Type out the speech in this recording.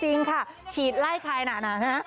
จริงค่ะฉีดไล่ใครหนาฮะ